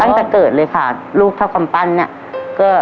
ตั้งแต่เกิดเลยค่ะลูกเท่ากำปั้นเนี่ยก็